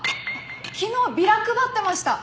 昨日ビラ配ってました。